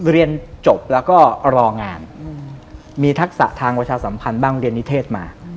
เรียนจบแล้วก็รองานมีทักษะทางประชาสัมพันธ์บ้างเรียนนิเทศมา